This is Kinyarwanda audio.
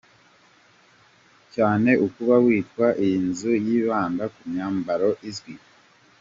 cyane ukaba witwa. Iyi nzu yibanda ku myambaro izwi.